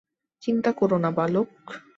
চিন্তা করো না, বালক।